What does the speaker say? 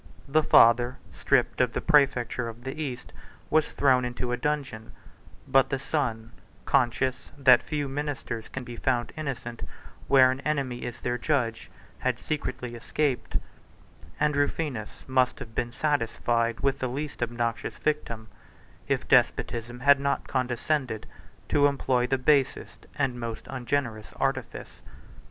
The father, stripped of the præfecture of the East, was thrown into a dungeon; but the son, conscious that few ministers can be found innocent, where an enemy is their judge, had secretly escaped; and Rufinus must have been satisfied with the least obnoxious victim, if despotism had not condescended to employ the basest and most ungenerous artifice.